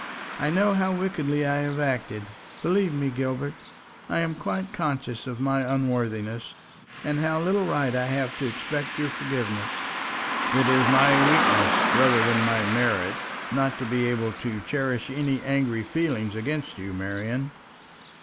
"I know how wickedly I have acted. Believe me, Gilbert, I am quite conscious of my unworthiness, and how little right I have to expect your forgiveness." "It is my weakness, rather than my merit, not to be able to cherish any angry feeling against you, Marian.